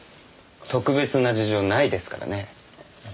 特別な事情ないですからね。